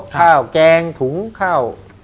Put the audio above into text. ข้าวแกงถุงข้าว